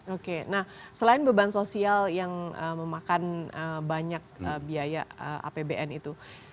oke nah selain beban sosial yang memakan banyak biaya apbn itu